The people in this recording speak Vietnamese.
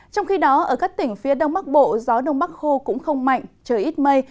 trong khi đó ở các tỉnh phía đông bắc bộ gió đông bắc khô cũng không mạnh trời ít mây